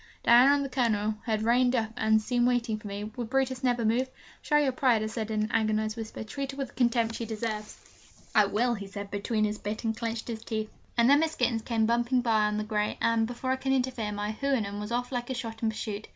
Diana and the Colonel had reined up and seemed waiting for me would Brutus never move? 'Show your pride,' I said in an agonised whisper, 'Treat her with the contempt she deserves!' 'I will,' he said between his bit and clenched teeth. And then Miss Gittens came bumping by on the grey, and, before I could interfere, my Houyhnhnm was off like a shot in pursuit.